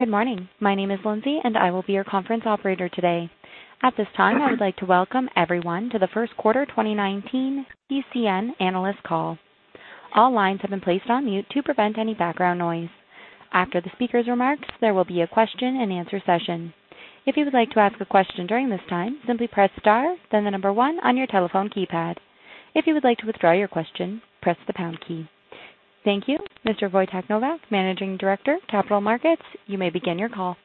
Good morning. My name is Lindsay, and I will be your conference operator today. At this time, I would like to welcome everyone to the first quarter 2019 TCN analyst call. All lines have been placed on mute to prevent any background noise. After the speaker's remarks, there will be a question and answer session. If you would like to ask a question during this time, simply press star, then the number 1 on your telephone keypad. If you would like to withdraw your question, press the pound key. Thank you. Mr. Wojtek Nowak, Managing Director, Capital Markets, you may begin your call.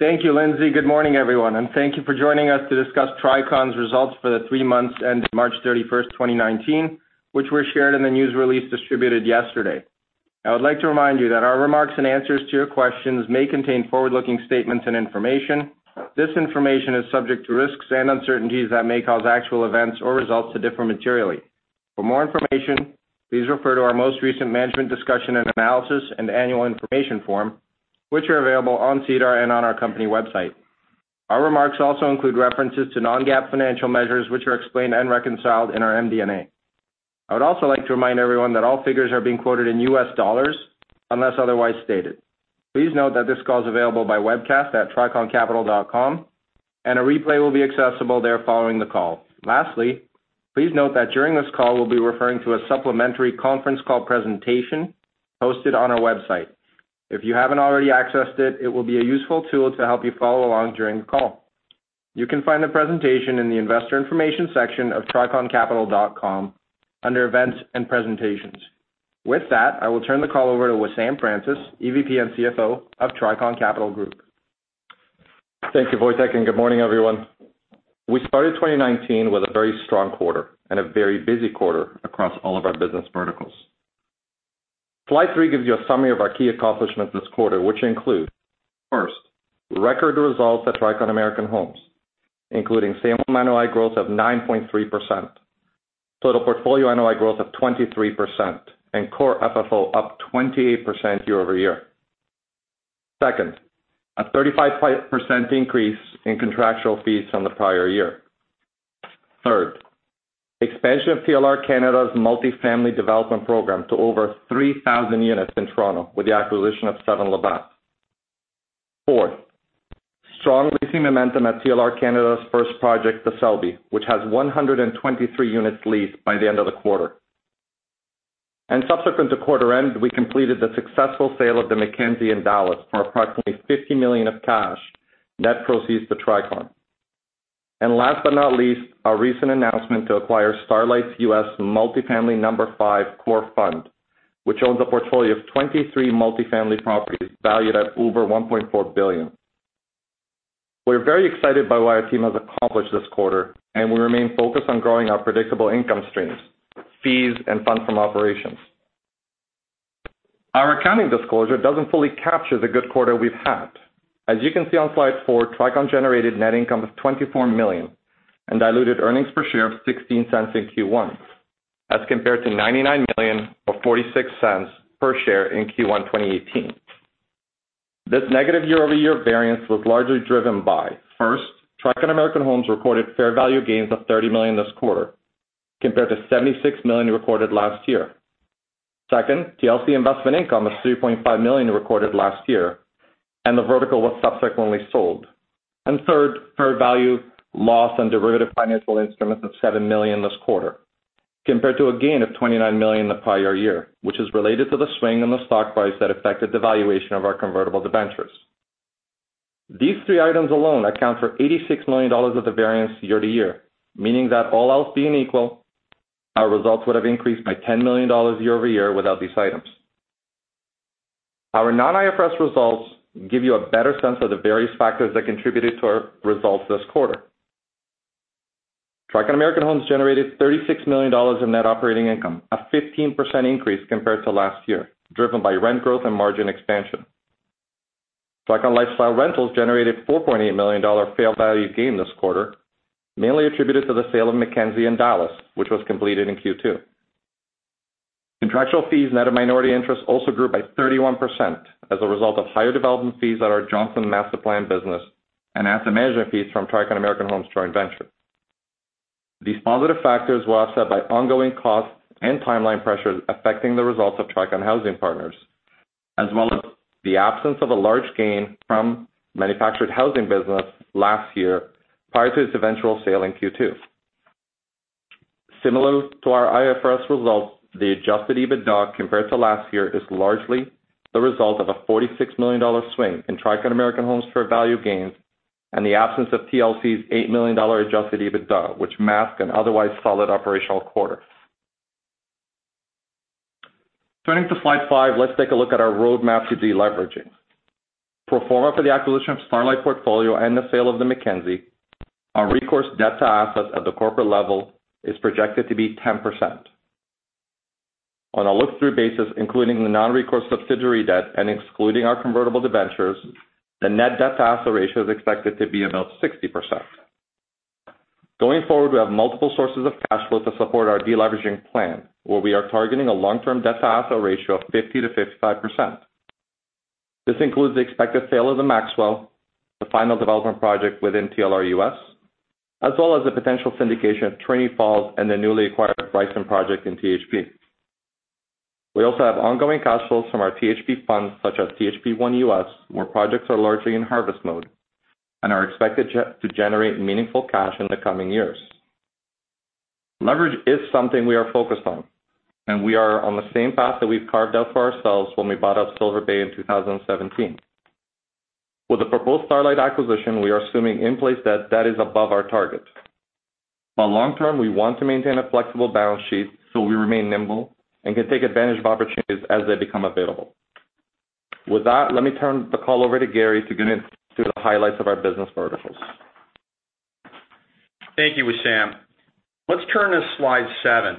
Thank you, Lindsay. Good morning, everyone, and thank you for joining us to discuss Tricon's results for the three months ending March 31st, 2019, which were shared in the news release distributed yesterday. I would like to remind you that our remarks and answers to your questions may contain forward-looking statements and information. This information is subject to risks and uncertainties that may cause actual events or results to differ materially. For more information, please refer to our most recent Management Discussion and Analysis and Annual Information Form, which are available on SEDAR and on our company website. Our remarks also include references to non-GAAP financial measures, which are explained and reconciled in our MD&A. I would also like to remind everyone that all figures are being quoted in U.S. dollars unless otherwise stated. Please note that this call is available by webcast at triconcapital.com, and a replay will be accessible there following the call. Lastly, please note that during this call, we'll be referring to a supplementary conference call presentation hosted on our website. If you haven't already accessed it will be a useful tool to help you follow along during the call. You can find the presentation in the Investor Information section of triconcapital.com under Events and Presentations. With that, I will turn the call over to Wissam Francis, EVP and CFO of Tricon Capital Group. Thank you, Wojtek, and good morning, everyone. We started 2019 with a very strong quarter and a very busy quarter across all of our business verticals. Slide three gives you a summary of our key accomplishments this quarter, which include, first, record results at Tricon American Homes, including same NOI growth of 9.3%. Total portfolio NOI growth of 23%, and core FFO up 28% year-over-year. Second, a 35% increase in contractual fees from the prior year. Third, expansion of TLR Canada's multi-family development program to over 3,000 units in Toronto with the acquisition of 7 Labatt. Fourth, strong leasing momentum at TLR Canada's first project, The Selby, which has 123 units leased by the end of the quarter. Subsequent to quarter end, we completed the successful sale of The McKenzie in Dallas for approximately $50 million of cash, net proceeds to Tricon. Last but not least, our recent announcement to acquire Starlight's U.S. Multi-Family No. 5 Core Fund, which owns a portfolio of 23 multifamily properties valued at over $1.4 billion. We're very excited by what our team has accomplished this quarter, and we remain focused on growing our predictable income streams, fees, and funds from operations. Our accounting disclosure doesn't fully capture the good quarter we've had. As you can see on slide four, Tricon generated net income of $24 million and diluted earnings per share of $0.16 in Q1 as compared to $99 million or $0.46 per share in Q1 2018. This negative year-over-year variance was largely driven by, first, Tricon American Homes recorded fair value gains of $30 million this quarter compared to $76 million recorded last year. Second, TLC investment income of $3.5 million recorded last year, and the vertical was subsequently sold. Third, fair value loss on derivative financial instruments of $7 million this quarter, compared to a gain of $29 million the prior year, which is related to the swing in the stock price that affected the valuation of our convertible debentures. These three items alone account for $86 million of the variance year to year, meaning that all else being equal, our results would have increased by $10 million year-over-year without these items. Our non-IFRS results give you a better sense of the various factors that contributed to our results this quarter. Tricon American Homes generated $36 million in net operating income, a 15% increase compared to last year, driven by rent growth and margin expansion. Tricon Lifestyle Rentals generated $4.8 million fair value gain this quarter, mainly attributed to the sale of The McKenzie in Dallas, which was completed in Q2. Contractual fees net of minority interest also grew by 31% as a result of higher development fees at our Johnson Master Plan business and asset management fees from Tricon American Homes joint venture. These positive factors were offset by ongoing costs and timeline pressures affecting the results of Tricon Housing Partners, as well as the absence of a large gain from manufactured housing business last year prior to its eventual sale in Q2. Similar to our IFRS results, the adjusted EBITDA compared to last year is largely the result of a $46 million swing in Tricon American Homes fair value gains and the absence of TLC's $8 million adjusted EBITDA, which mask an otherwise solid operational quarter. Turning to slide five, let's take a look at our roadmap to deleveraging. Pro forma for the acquisition of Starlight portfolio and the sale of The McKenzie, our recourse debt to assets at the corporate level is projected to be 10%. On a look-through basis, including the non-recourse subsidiary debt and excluding our convertible debentures, the net debt to asset ratio is expected to be about 60%. Going forward, we have multiple sources of cash flow to support our deleveraging plan, where we are targeting a long-term debt to asset ratio of 50%-55%. This includes the expected sale of The Maxwell, the final development project within TLR U.S. as well as the potential syndication of Trinity Falls and the newly acquired Bryson project in THP. We also have ongoing cash flows from our THP funds, such as THP1 U.S., where projects are largely in harvest mode and are expected to generate meaningful cash in the coming years. Leverage is something we are focused on. We are on the same path that we've carved out for ourselves when we bought out Silver Bay in 2017. With the proposed Starlight acquisition, we are assuming in place debt that is above our target. Long term, we want to maintain a flexible balance sheet so we remain nimble and can take advantage of opportunities as they become available. With that, let me turn the call over to Gary to get into the highlights of our business verticals. Thank you, Wissam. Let's turn to slide seven.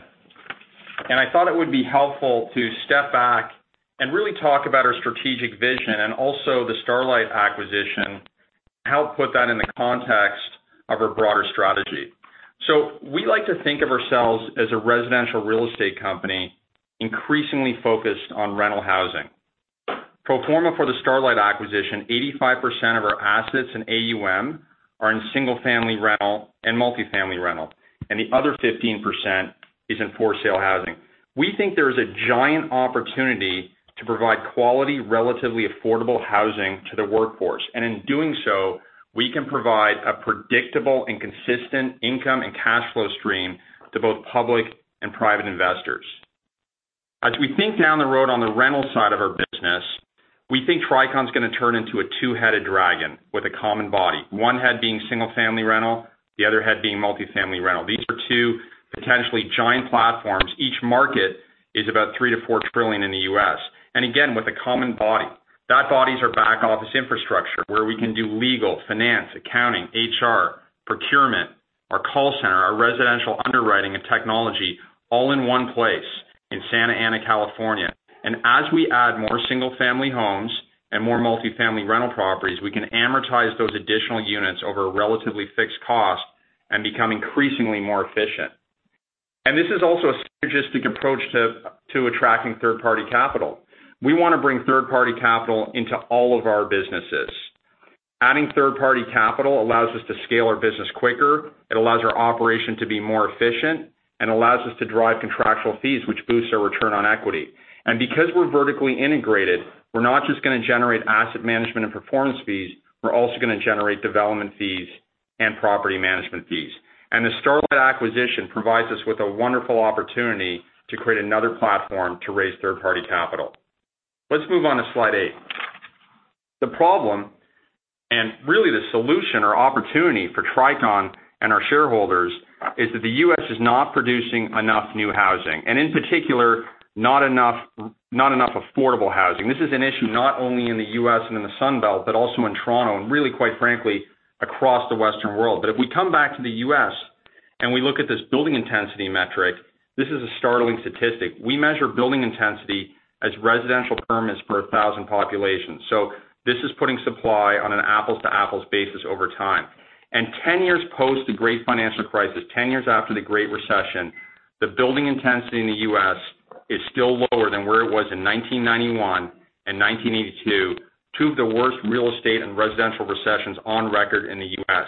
I thought it would be helpful to step back and really talk about our strategic vision and also the Starlight acquisition, and help put that in the context of our broader strategy. We like to think of ourselves as a residential real estate company increasingly focused on rental housing. Pro forma for the Starlight acquisition, 85% of our assets in AUM are in single-family rental and multi-family rental, and the other 15% is in for-sale housing. We think there is a giant opportunity to provide quality, relatively affordable housing to the workforce, and in doing so, we can provide a predictable and consistent income and cash flow stream to both public and private investors. As we think down the road on the rental side of our business, we think Tricon is going to turn into a two-headed dragon with a common body, one head being single-family rental, the other head being multi-family rental. These are two potentially giant platforms. Each market is about $3 trillion-$4 trillion in the U.S. Again, with a common body. That body's our back office infrastructure, where we can do legal, finance, accounting, HR, procurement, our call center, our residential underwriting, and technology all in one place in Santa Ana, California. As we add more single-family homes and more multi-family rental properties, we can amortize those additional units over a relatively fixed cost and become increasingly more efficient. This is also a synergistic approach to attracting third-party capital. We want to bring third-party capital into all of our businesses. Adding third-party capital allows us to scale our business quicker, it allows our operation to be more efficient, and allows us to drive contractual fees, which boosts our return on equity. Because we're vertically integrated, we're not just going to generate asset management and performance fees, we're also going to generate development fees and property management fees. The Starlight acquisition provides us with a wonderful opportunity to create another platform to raise third-party capital. Let's move on to slide eight. The problem, and really the solution or opportunity for Tricon and our shareholders, is that the U.S. is not producing enough new housing, and in particular, not enough affordable housing. This is an issue not only in the U.S. and in the Sun Belt, but also in Toronto and really quite frankly, across the Western world. If we come back to the U.S. and we look at this building intensity metric, this is a startling statistic. We measure building intensity as residential permits per 1,000 populations. This is putting supply on an apples-to-apples basis over time. 10 years post the great financial crisis, 10 years after the Great Recession, the building intensity in the U.S. is still lower than where it was in 1991 and 1982, two of the worst real estate and residential recessions on record in the U.S.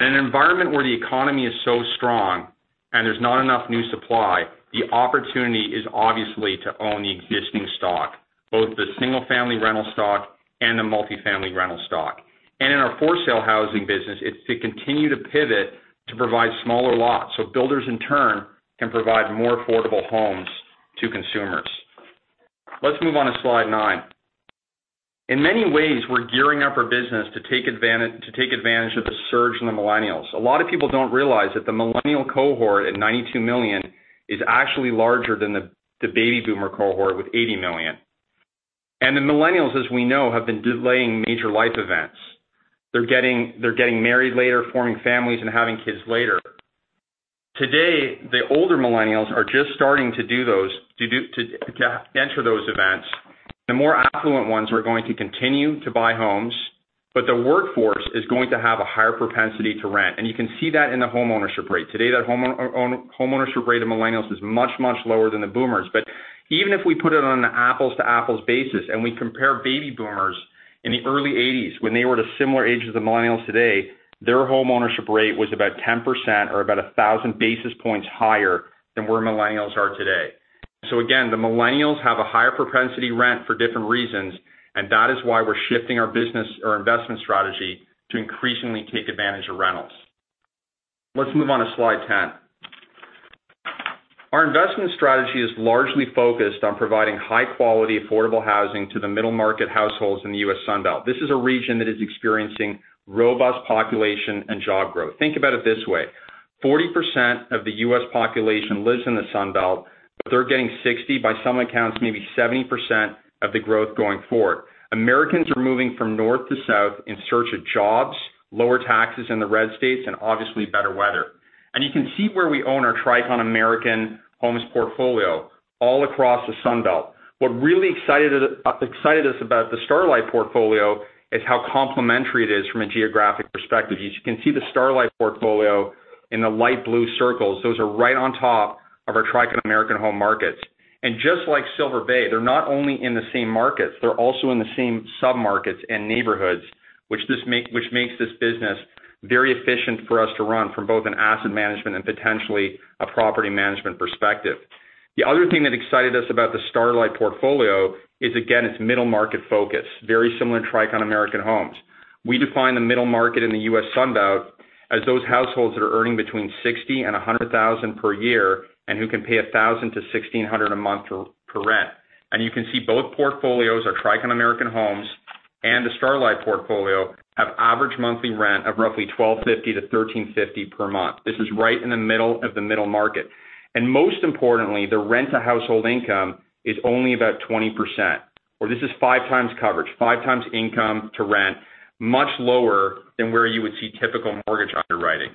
In an environment where the economy is so strong and there's not enough new supply, the opportunity is obviously to own the existing stock, both the single-family rental stock and the multi-family rental stock. In our for-sale housing business, it's to continue to pivot to provide smaller lots so builders in turn, can provide more affordable homes to consumers. Let's move on to slide nine. In many ways, we're gearing up our business to take advantage of the surge in the millennials. A lot of people don't realize that the millennial cohort at 92 million is actually larger than the baby boomer cohort with 80 million. The millennials, as we know, have been delaying major life events. They're getting married later, forming families, and having kids later. Today, the older millennials are just starting to enter those events. The more affluent ones are going to continue to buy homes, but the workforce is going to have a higher propensity to rent. You can see that in the home ownership rate. Today, that home ownership rate of millennials is much, much lower than the boomers. Even if we put it on an apples-to-apples basis and we compare baby boomers in the early 80s when they were at a similar age as the millennials today, their home ownership rate was about 10% or about 1,000 basis points higher than where millennials are today. Again, the millennials have a higher propensity rent for different reasons, and that is why we're shifting our investment strategy to increasingly take advantage of rentals. Let's move on to slide 10. Our investment strategy is largely focused on providing high quality, affordable housing to the middle-market households in the U.S. Sun Belt. This is a region that is experiencing robust population and job growth. Think about it this way: 40% of the U.S. population lives in the Sun Belt, but they're getting 60%, by some accounts, maybe 70% of the growth going forward. Americans are moving from north to south in search of jobs, lower taxes in the red states, obviously better weather. You can see where we own our Tricon American Homes portfolio, all across the Sun Belt. What really excited us about the Starlight portfolio is how complementary it is from a geographic perspective. As you can see, the Starlight portfolio. In the light blue circles, those are right on top of our Tricon American Homes markets. Just like Silver Bay, they're not only in the same markets, they're also in the same sub-markets and neighborhoods, which makes this business very efficient for us to run from both an asset management and potentially a property management perspective. The other thing that excited us about the Starlight portfolio is, again, its middle-market focus, very similar to Tricon American Homes. We define the middle market in the U.S. Sun Belt as those households that are earning between $60,000 and $100,000 per year and who can pay $1,000-$1,600 a month for rent. You can see both portfolios are Tricon American Homes, and the Starlight portfolio have average monthly rent of roughly $1,250-$1,350 per month. This is right in the middle of the middle market. Most importantly, the rent-to-household income is only about 20%, or this is five times coverage, five times income to rent, much lower than where you would see typical mortgage underwriting.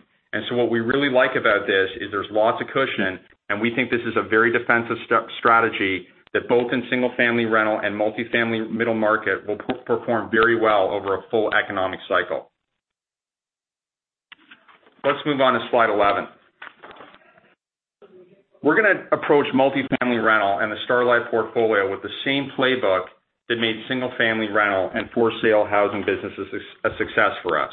What we really like about this is there's lots of cushion, and we think this is a very defensive strategy that both in single-family rental and multi-family middle market will perform very well over a full economic cycle. Let's move on to slide 11. We're going to approach multi-family rental and the Starlight portfolio with the same playbook that made single-family rental and for-sale housing businesses a success for us.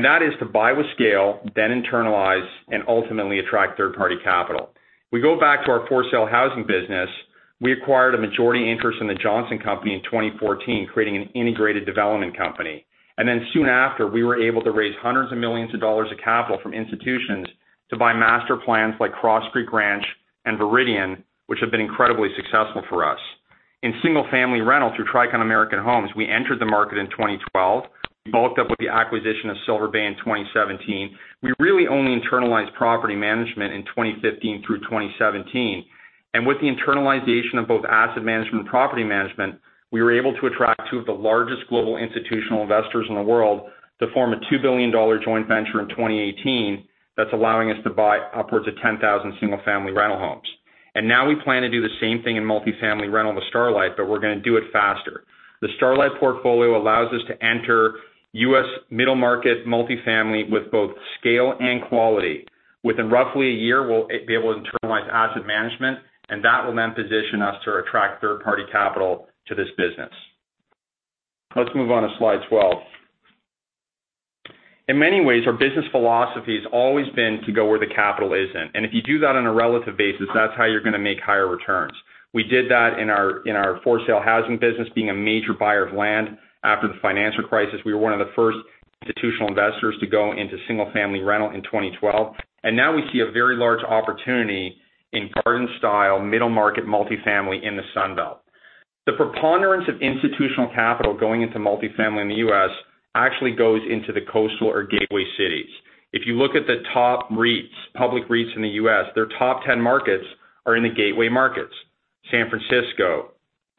That is to buy with scale, then internalize and ultimately attract third-party capital. We go back to our for-sale housing business. We acquired a majority interest in The Johnson Company in 2014, creating an integrated development company. Soon after, we were able to raise hundreds of millions of dollars of capital from institutions to buy master plans like Cross Creek Ranch and Viridian, which have been incredibly successful for us. In single-family rental through Tricon American Homes, we entered the market in 2012, bulked up with the acquisition of Silver Bay in 2017. We really only internalized property management in 2015 through 2017. With the internalization of both asset management and property management, we were able to attract two of the largest global institutional investors in the world to form a $2 billion joint venture in 2018 that's allowing us to buy upwards of 10,000 single-family rental homes. Now we plan to do the same thing in multi-family rental with Starlight, but we're going to do it faster. The Starlight portfolio allows us to enter U.S. middle market multi-family with both scale and quality. Within roughly a year, we'll be able to internalize asset management, and that will then position us to attract third-party capital to this business. Let's move on to slide 12. In many ways, our business philosophy has always been to go where the capital isn't. If you do that on a relative basis, that's how you're going to make higher returns. We did that in our for-sale housing business, being a major buyer of land. After the financial crisis, we were one of the first institutional investors to go into single-family rental in 2012. Now we see a very large opportunity in garden-style, middle-market multi-family in the Sun Belt. The preponderance of institutional capital going into multi-family in the U.S. actually goes into the coastal or gateway cities. If you look at the top REITs, public REITs in the U.S., their top 10 markets are in the gateway markets, San Francisco,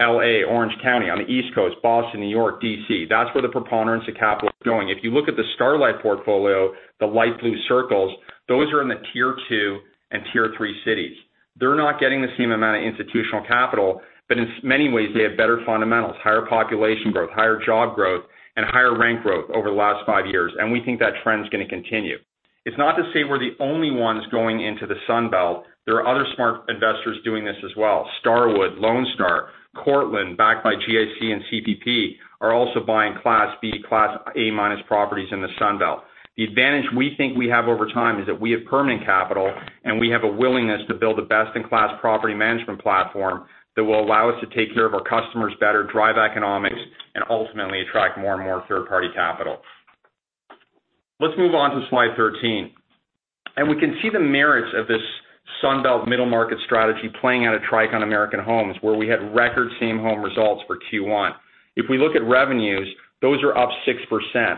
L.A., Orange County, on the East Coast, Boston, New York, D.C. That's where the preponderance of capital is going. If you look at the Starlight portfolio, the light blue circles, those are in the tier 2 and tier 3 cities. They're not getting the same amount of institutional capital, but in many ways, they have better fundamentals, higher population growth, higher job growth, and higher rent growth over the last five years. We think that trend is going to continue. It's not to say we're the only ones going into the Sun Belt. There are other smart investors doing this as well. Starwood, Lone Star, Cortland, backed by GIC and CPP, are also buying Class B, Class A-minus properties in the Sun Belt. The advantage we think we have over time is that we have permanent capital, and we have a willingness to build a best-in-class property management platform that will allow us to take care of our customers better, drive economics, and ultimately attract more and more third-party capital. Let's move on to slide 13. We can see the merits of this Sun Belt middle market strategy playing out at Tricon American Homes, where we had record same home results for Q1. If we look at revenues, those are up 6%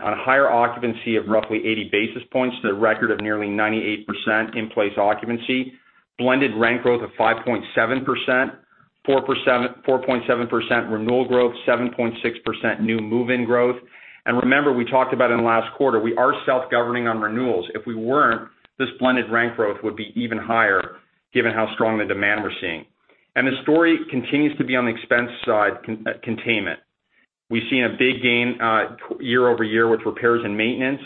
on higher occupancy of roughly 80 basis points to the record of nearly 98% in place occupancy, blended rent growth of 5.7%, 4.7% renewal growth, 7.6% new move-in growth. Remember, we talked about in the last quarter, we are self-governing on renewals. If we weren't, this blended rent growth would be even higher given how strong the demand we're seeing. The story continues to be on the expense side, containment. We've seen a big gain year-over-year with repairs and maintenance.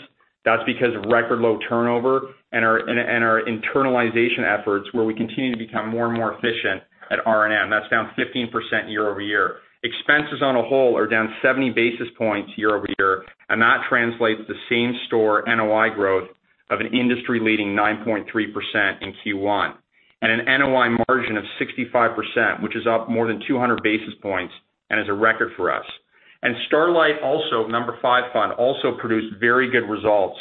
That's because of record low turnover and our internalization efforts where we continue to become more and more efficient at R&M. That's down 15% year-over-year. Expenses on a whole are down 70 basis points year-over-year, That translates to same-store NOI growth of an industry-leading 9.3% in Q1. An NOI margin of 65%, which is up more than 200 basis points and is a record for us. Starlight also, No. 5 fund, also produced very good results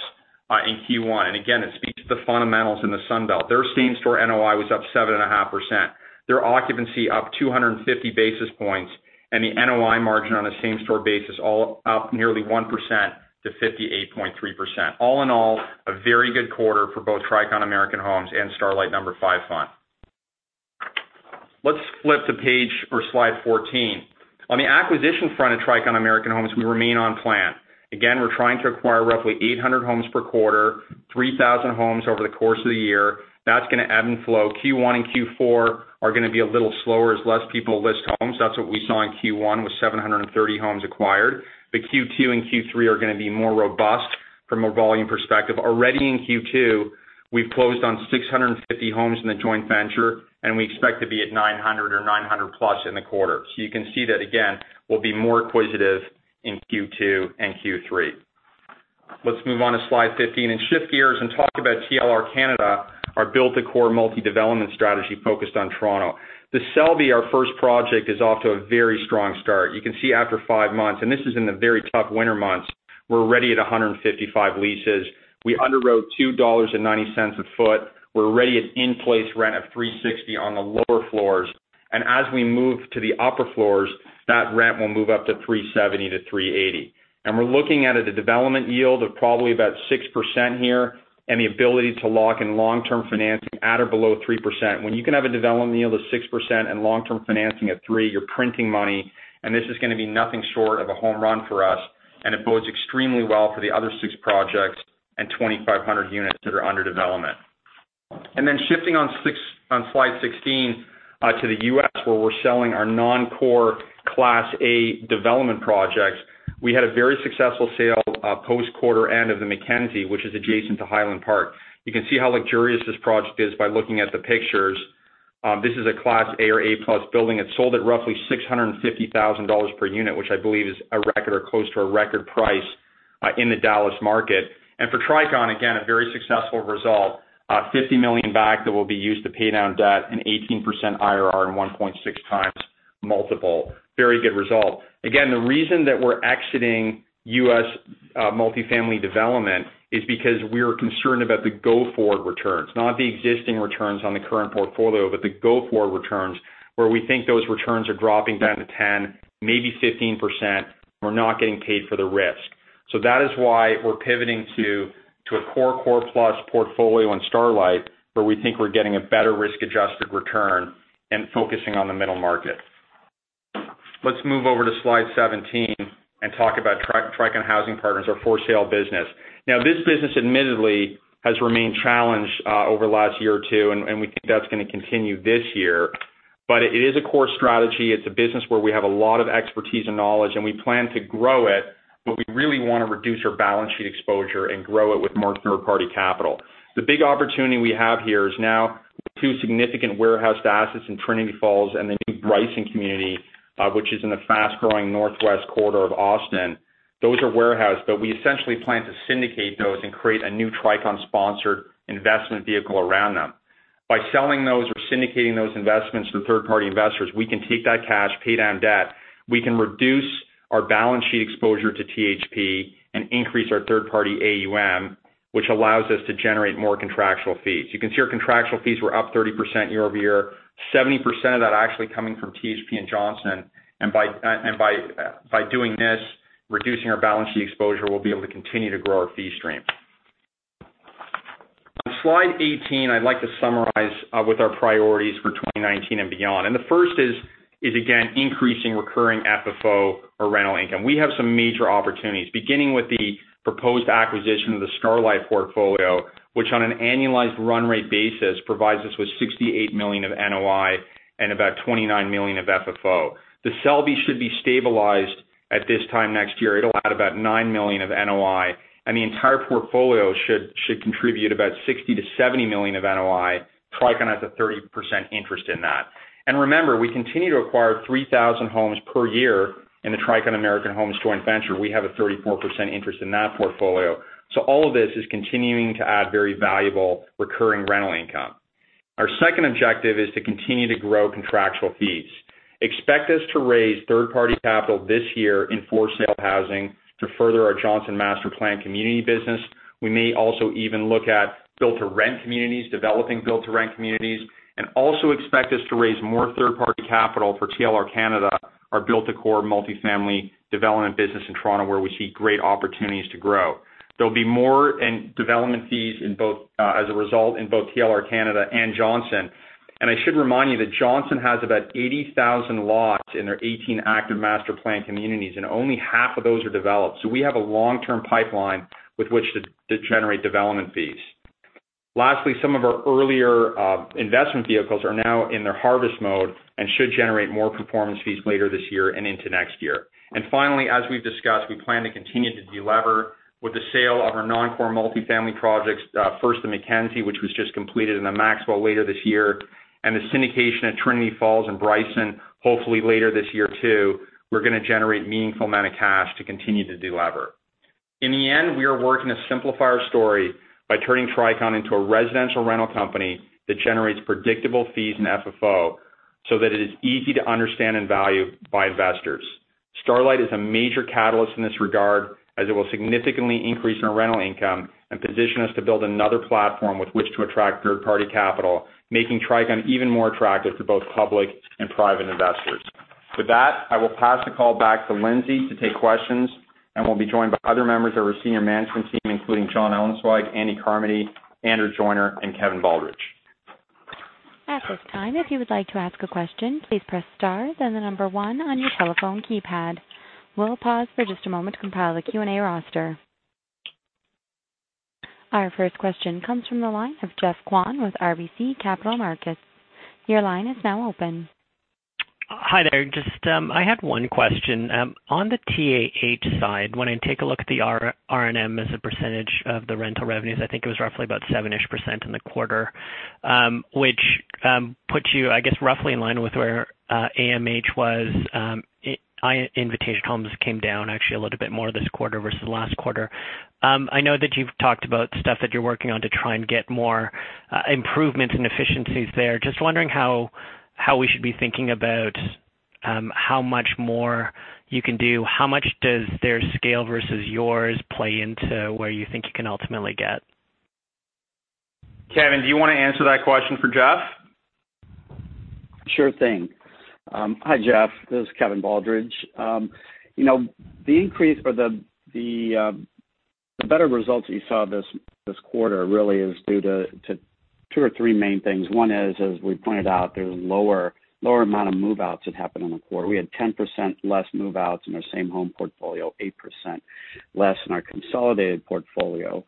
in Q1. Again, it speaks to the fundamentals in the Sun Belt. Their same-store NOI was up 7.5%. Their occupancy up 250 basis points, and the NOI margin on a same-store basis all up nearly 1% to 58.3%. All in all, a very good quarter for both Tricon American Homes and Starlight No. 5 fund. Let's flip to page or slide 14. On the acquisition front of Tricon American Homes, we remain on plan. Again, we're trying to acquire roughly 800 homes per quarter, 3,000 homes over the course of the year. That's going to ebb and flow. Q1 and Q4 are going to be a little slower as less people list homes. That's what we saw in Q1 with 730 homes acquired. Q2 and Q3 are going to be more robust from a volume perspective. Already in Q2. We've closed on 650 homes in the joint venture, and we expect to be at 900 or 900+ in the quarter. You can see that, again, we'll be more acquisitive in Q2 and Q3. Let's move on to slide 15 and shift gears and talk about TLR Canada, our build-to-core multi-development strategy focused on Toronto. The Selby, our first project, is off to a very strong start. You can see after five months, and this is in the very tough winter months, we're already at 155 leases. We underwrote $2.90 a foot. We're already at in-place rent of $360 on the lower floors. As we move to the upper floors, that rent will move up to $370 to $380. We're looking at a development yield of probably about 6% here and the ability to lock in long-term financing at or below 3%. When you can have a development yield of 6% and long-term financing at 3%, you're printing money, this is going to be nothing short of a home run for us, and it bodes extremely well for the other six projects and 2,500 units that are under development. Shifting on slide 16 to the U.S. where we're selling our non-core Class A development projects. We had a very successful sale post quarter end of The McKenzie, which is adjacent to Highland Park. You can see how luxurious this project is by looking at the pictures. This is a Class A or A-plus building. It sold at roughly $650,000 per unit, which I believe is a record or close to a record price in the Dallas market. For Tricon, again, a very successful result, $50 million back that will be used to pay down debt, an 18% IRR and 1.6 times multiple. Very good result. Again, the reason that we're exiting U.S. multi-family development is because we are concerned about the go-forward returns, not the existing returns on the current portfolio, but the go-forward returns, where we think those returns are dropping down to 10%, maybe 15%. We're not getting paid for the risk. That is why we're pivoting to a core plus portfolio in Starlight, where we think we're getting a better risk-adjusted return and focusing on the middle market. Let's move over to slide 17 and talk about Tricon Housing Partners, our for-sale business. This business admittedly has remained challenged over the last year or two, we think that's going to continue this year. It is a core strategy. It's a business where we have a lot of expertise and knowledge, we plan to grow it, but we really want to reduce our balance sheet exposure and grow it with more third-party capital. The big opportunity we have here is now with two significant warehoused assets in Trinity Falls and the new Bryson Community, which is in the fast-growing northwest quarter of Austin. Those are warehoused, but we essentially plan to syndicate those and create a new Tricon-sponsored investment vehicle around them. By selling those or syndicating those investments to third-party investors, we can take that cash, pay down debt. We can reduce our balance sheet exposure to THP and increase our third-party AUM, which allows us to generate more contractual fees. You can see our contractual fees were up 30% year-over-year, 70% of that actually coming from THP and Johnson. By doing this, reducing our balance sheet exposure, we'll be able to continue to grow our fee stream. On slide 18, I'd like to summarize with our priorities for 2019 and beyond. The first is, again, increasing recurring FFO or rental income. We have some major opportunities, beginning with the proposed acquisition of the Starlight portfolio, which on an annualized run rate basis, provides us with $68 million of NOI and about $29 million of FFO. The Selby should be stabilized at this time next year. It will add about $9 million of NOI, and the entire portfolio should contribute about $60 million-$70 million of NOI. Tricon has a 30% interest in that. Remember, we continue to acquire 3,000 homes per year in the Tricon American Homes joint venture. We have a 34% interest in that portfolio. All of this is continuing to add very valuable recurring rental income. Our second objective is to continue to grow contractual fees. Expect us to raise third-party capital this year in for-sale housing to further our Johnson master-planned community business. We may also even look at build-to-rent communities, developing build-to-rent communities, and also expect us to raise more third-party capital for TLR Canada, our build-to-core multi-family development business in Toronto, where we see great opportunities to grow. There will be more in development fees as a result in both TLR Canada and Johnson. I should remind you that Johnson has about 80,000 lots in their 18 active master-planned communities, and only half of those are developed. We have a long-term pipeline with which to generate development fees. Lastly, some of our earlier investment vehicles are now in their harvest mode and should generate more performance fees later this year and into next year. Finally, as we have discussed, we plan to continue to de-lever with the sale of our non-core multi-family projects. First, The McKenzie, which was just completed, and The Maxwell later this year, and the syndication at Trinity Falls and Bryson, hopefully later this year, too. We are going to generate meaningful amount of cash to continue to de-lever. In the end, we are working to simplify our story by turning Tricon into a residential rental company that generates predictable fees and FFO so that it is easy to understand and value by investors. Starlight is a major catalyst in this regard as it will significantly increase our rental income and position us to build another platform with which to attract third-party capital, making Tricon even more attractive to both public and private investors. With that, I will pass the call back to Lindsay to take questions, and we will be joined by other members of our senior management team, including Jon Ellenzweig, Andy Carmody, Andrew Joyner, and Kevin Baldridge. At this time, if you would like to ask a question, please press star, then the number 1 on your telephone keypad. We will pause for just a moment to compile the Q&A roster. Our first question comes from the line of Geoffrey Kwan with RBC Capital Markets. Your line is now open. Hi there. I had one question. On the TAH side, when I take a look at the R&M as a percentage of the rental revenues, I think it was roughly about seven-ish% in the quarter, which puts you, I guess, roughly in line with where AMH was. Invitation Homes came down actually a little bit more this quarter versus last quarter. I know that you've talked about stuff that you're working on to try and get more improvements and efficiencies there. Just wondering how we should be thinking about how much more you can do. How much does their scale versus yours play into where you think you can ultimately get? Kevin, do you want to answer that question for Geoff? Sure thing. Hi, Geoff. This is Kevin Baldridge. The better results that you saw this quarter really is due to two or three main things. One is, as we pointed out, there's lower amount of move-outs that happened in the quarter. We had 10% less move-outs in our same home portfolio, eight% less in our consolidated portfolio.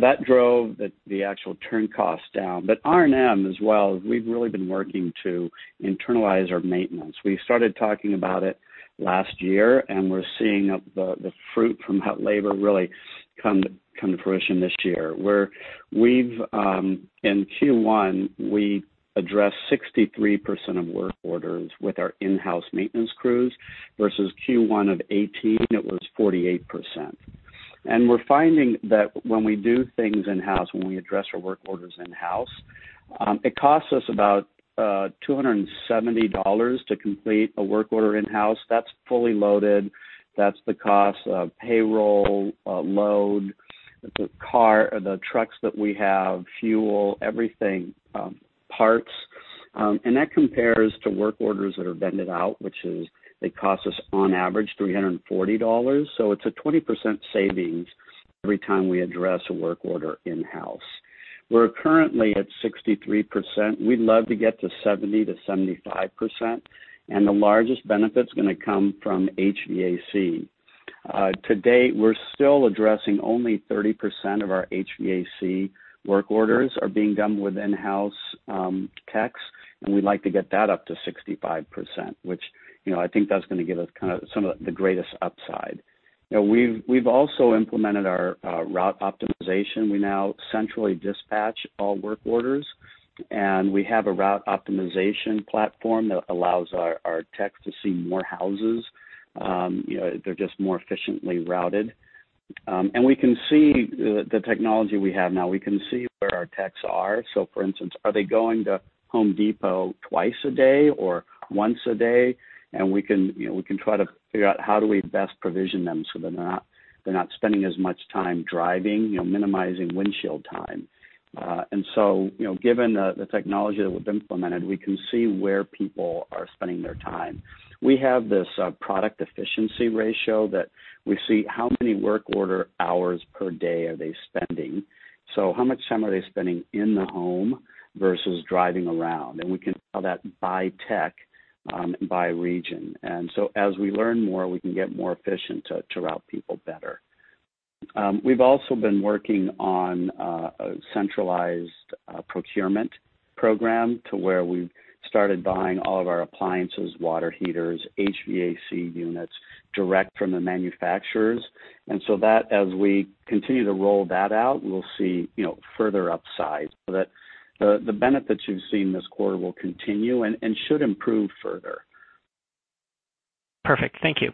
That drove the actual turn cost down. R&M as well, we've really been working to internalize our maintenance. We started talking about it last year, and we're seeing the fruit from that labor really come to fruition this year, where we've, in Q1, we addressed 63% of work orders with our in-house maintenance crews versus Q1 of 2018, it was 48%. We're finding that when we do things in-house, when we address our work orders in-house, it costs us about $270 to complete a work order in-house. That's fully loaded. That's the cost of payroll, load, the trucks that we have, fuel, everything, parts. That compares to work orders that are vended out, which is, they cost us on average $340. It's a 20% savings every time we address a work order in-house. We're currently at 63%. We'd love to get to 70%-75%, and the largest benefit's going to come from HVAC. To date, we're still addressing only 30% of our HVAC work orders are being done with in-house techs, and we'd like to get that up to 65%, which I think that's going to give us some of the greatest upside. We've also implemented our route optimization. We now centrally dispatch all work orders, and we have a route optimization platform that allows our techs to see more houses. They're just more efficiently routed. We can see the technology we have now. We can see where our techs are. For instance, are they going to Home Depot twice a day or one a day? We can try to figure out how do we best provision them so they're not spending as much time driving, minimizing windshield time. Given the technology that we've implemented, we can see where people are spending their time. We have this product efficiency ratio that we see how many work order hours per day are they spending. How much time are they spending in the home versus driving around? We can tell that by tech, by region. As we learn more, we can get more efficient to route people better. We've also been working on a centralized procurement program to where we've started buying all of our appliances, water heaters, HVAC units direct from the manufacturers. That, as we continue to roll that out, we'll see further upside. The benefits you've seen this quarter will continue and should improve further. Perfect. Thank you.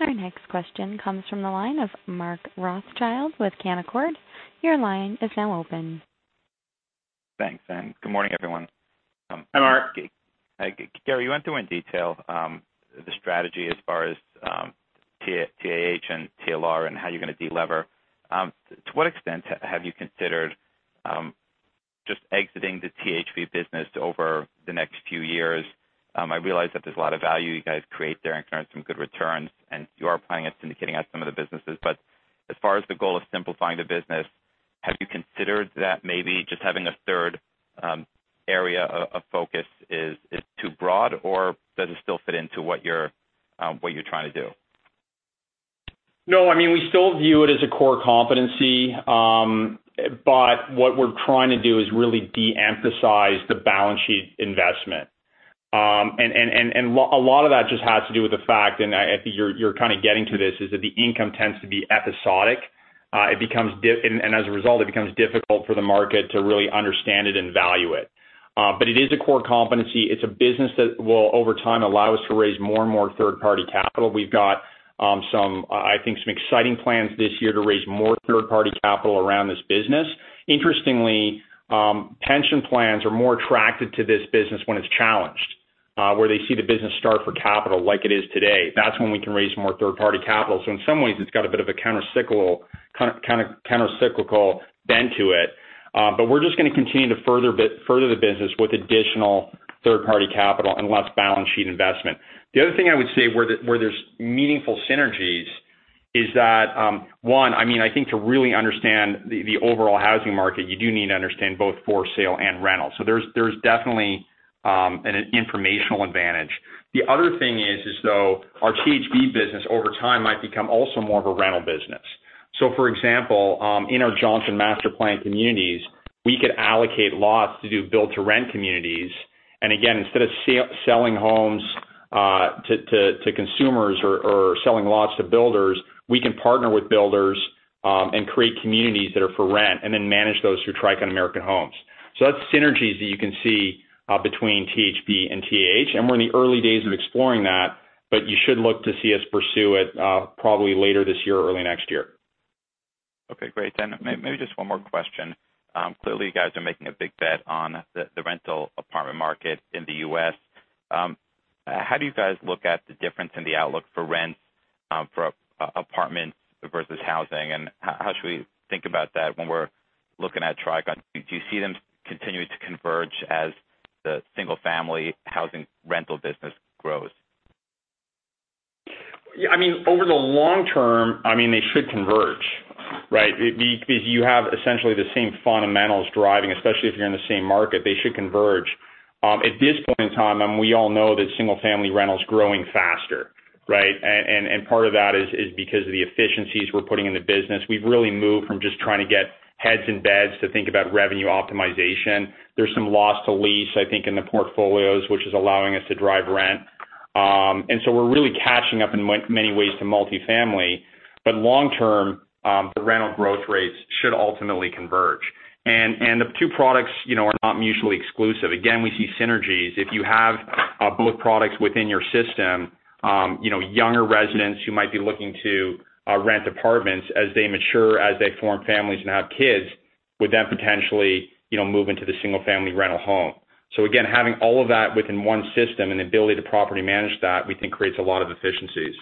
Our next question comes from the line of Mark Rothschild with Canaccord. Your line is now open. Thanks. Good morning, everyone. Hi, Mark. Gary, you went through in detail the strategy as far as TAH and TLR and how you're going to de-lever. To what extent have you considered just exiting the THP business over the next few years? I realize that there's a lot of value you guys create there and can earn some good returns, and you are planning on syndicating out some of the businesses. As far as the goal of simplifying the business, have you considered that maybe just having a third area of focus is too broad, or does it still fit into what you're trying to do? No, we still view it as a core competency. What we're trying to do is really de-emphasize the balance sheet investment. A lot of that just has to do with the fact, and I think you're kind of getting to this, is that the income tends to be episodic. As a result, it becomes difficult for the market to really understand it and value it. It is a core competency. It's a business that will, over time, allow us to raise more and more third-party capital. We've got I think some exciting plans this year to raise more third-party capital around this business. Interestingly, pension plans are more attracted to this business when it's challenged, where they see the business starve for capital like it is today. That's when we can raise more third-party capital. In some ways, it's got a bit of a counter-cyclical bent to it. We're just going to continue to further the business with additional third-party capital and less balance sheet investment. The other thing I would say where there's meaningful synergies is that, one, I think to really understand the overall housing market, you do need to understand both for sale and rental. There's definitely an informational advantage. The other thing is though, our THP business over time might become also more of a rental business. For example, in our Johnson master plan communities, we could allocate lots to do build-to-rent communities. Again, instead of selling homes to consumers or selling lots to builders, we can partner with builders, and create communities that are for rent, and then manage those through Tricon American Homes. That's synergies that you can see between THP and TAH. We're in the early days of exploring that. You should look to see us pursue it, probably later this year or early next year. Okay, great. Maybe just one more question. Clearly you guys are making a big bet on the rental apartment market in the U.S. How do you guys look at the difference in the outlook for rents, for apartments versus housing, and how should we think about that when we're looking at Tricon? Do you see them continuing to converge as the single-family housing rental business grows? Over the long term, they should converge, right? You have essentially the same fundamentals driving, especially if you're in the same market, they should converge. At this point in time, we all know that single-family rental is growing faster, right? Part of that is because of the efficiencies we're putting in the business. We've really moved from just trying to get heads in beds to think about revenue optimization. There's some loss to lease, I think, in the portfolios, which is allowing us to drive rent. We're really catching up in many ways to multifamily. Long term, the rental growth rates should ultimately converge. The two products are not mutually exclusive. Again, we see synergies. If you have both products within your system, younger residents who might be looking to rent apartments, as they mature, as they form families and have kids, would then potentially move into the single-family rental home. Again, having all of that within one system and the ability to properly manage that, we think creates a lot of efficiencies.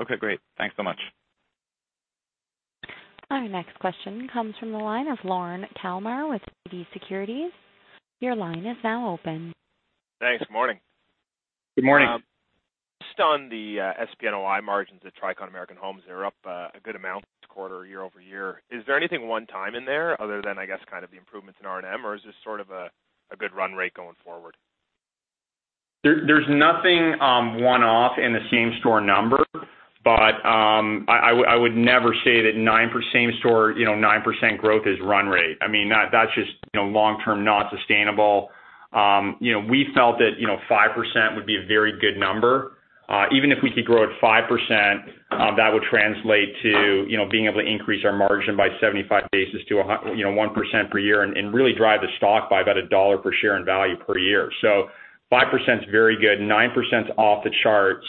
Okay, great. Thanks so much. Our next question comes from the line of Lauren Kalmar with TD Securities. Your line is now open. Thanks. Morning. Good morning. Just on the SPNOI margins at Tricon American Homes, they're up a good amount this quarter, year-over-year. Is there anything one-time in there other than, I guess, kind of the improvements in R&M, or is this sort of a good run rate going forward? There's nothing one-off in the same store number, I would never say that same store 9% growth is run rate. That's just long term not sustainable. We felt that 5% would be a very good number. Even if we could grow at 5%, that would translate to being able to increase our margin by 75 basis to 1% per year and really drive the stock by about $1 per share in value per year. 5%'s very good. 9%'s off the charts.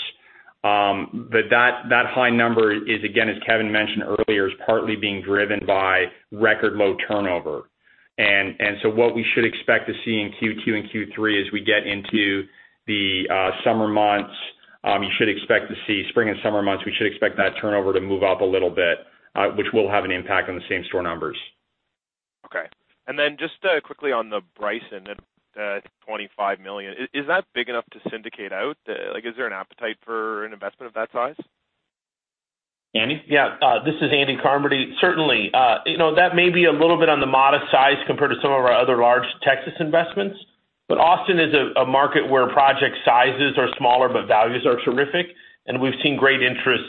That high number is, again, as Kevin mentioned earlier, is partly being driven by record low turnover. What we should expect to see in Q2 and Q3 as we get into the summer months, you should expect to see spring and summer months, we should expect that turnover to move up a little bit, which will have an impact on the same store numbers. Okay. Then just quickly on the Bryson, the $25 million, is that big enough to syndicate out? Is there an appetite for an investment of that size? Andy? Yeah. This is Andy Carmody. Certainly. That may be a little bit on the modest size compared to some of our other large Texas investments. Austin is a market where project sizes are smaller, but values are terrific, and we've seen great interest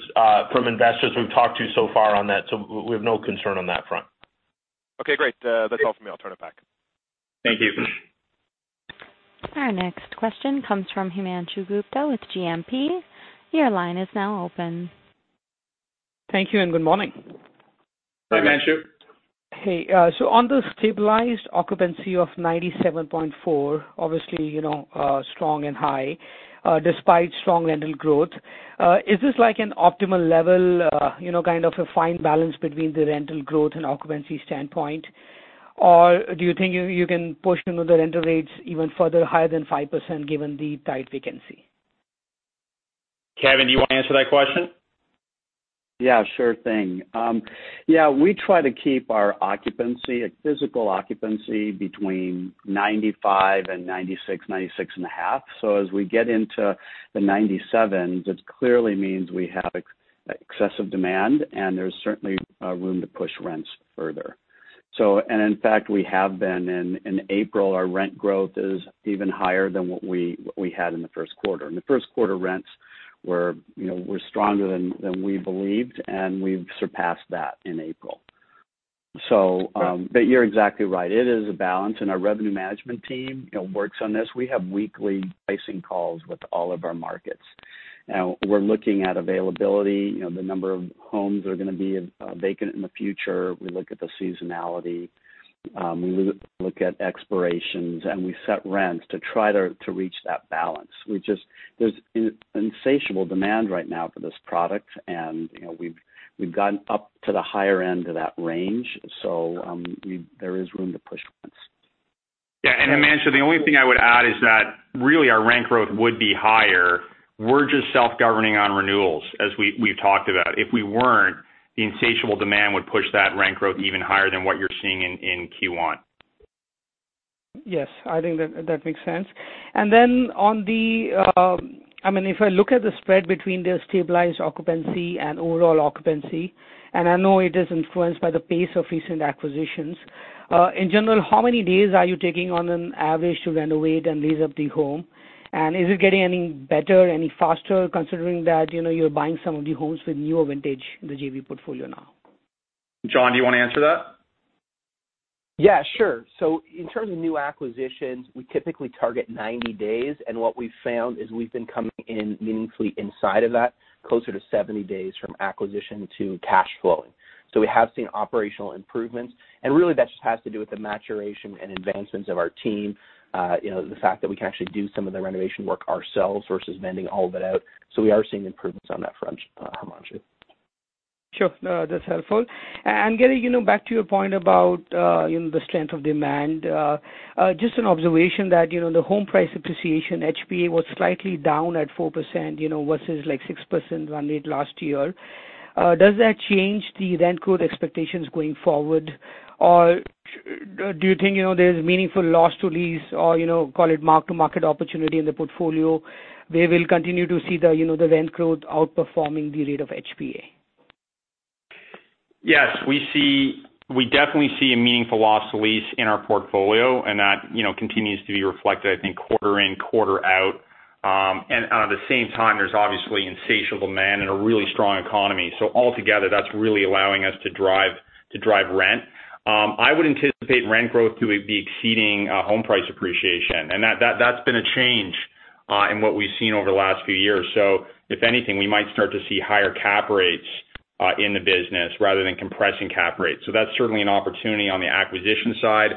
from investors we've talked to so far on that. We have no concern on that front. Okay, great. That's all for me. I'll turn it back. Thank you. Our next question comes from Himanshu Gupta with GMP. Your line is now open. Thank you and good morning. Hi, Himanshu. Hey. On the stabilized occupancy of 97.4, obviously, strong and high, despite strong rental growth. Is this like an optimal level, kind of a fine balance between the rental growth and occupancy standpoint? Or do you think you can push the rental rates even further higher than 5% given the tight vacancy? Kevin, do you want to answer that question? Sure thing. We try to keep our occupancy, physical occupancy between 95% and 96%, 96 and a half. As we get into the 97%, it clearly means we have excessive demand and there's certainly room to push rents further. In fact, we have been. In April, our rent growth is even higher than what we had in the first quarter. The first quarter rents were stronger than we believed, and we've surpassed that in April. You're exactly right. It is a balance, and our revenue management team works on this. We have weekly pricing calls with all of our markets. We're looking at availability, the number of homes that are going to be vacant in the future. We look at the seasonality. We look at expirations, we set rents to try to reach that balance, which is there's insatiable demand right now for this product, and we've gotten up to the higher end of that range. There is room to push rents. Yeah. Himanshu, the only thing I would add is that really our rent growth would be higher. We're just self-governing on renewals as we've talked about. If we weren't, the insatiable demand would push that rent growth even higher than what you're seeing in Q1. Yes. I think that makes sense. If I look at the spread between the stabilized occupancy and overall occupancy, I know it is influenced by the pace of recent acquisitions. In general, how many days are you taking on an average to renovate and lease up the home? Is it getting any better, any faster, considering that you're buying some of the homes with newer vintage in the JV portfolio now? John, do you want to answer that? Yeah, sure. In terms of new acquisitions, we typically target 90 days. What we've found is we've been coming in meaningfully inside of that, closer to 70 days from acquisition to cash flowing. We have seen operational improvements, and really that just has to do with the maturation and advancements of our team. The fact that we can actually do some of the renovation work ourselves versus vending all of it out. We are seeing improvements on that front, Himanshu. Sure. That's helpful. Gary, back to your point about the strength of demand. Just an observation that the Home Price Appreciation, HPA, was slightly down at 4%, versus 6% run rate last year. Does that change the rent growth expectations going forward? Or do you think there's meaningful loss to lease or call it mark-to-market opportunity in the portfolio, where we'll continue to see the rent growth outperforming the rate of HPA? Yes, we definitely see a meaningful loss to lease in our portfolio, that continues to be reflected, I think, quarter in, quarter out. At the same time, there's obviously insatiable demand and a really strong economy. Altogether, that's really allowing us to drive rent. I would anticipate rent growth to be exceeding home price appreciation. That's been a change in what we've seen over the last few years. If anything, we might start to see higher cap rates in the business rather than compressing cap rates. That's certainly an opportunity on the acquisition side.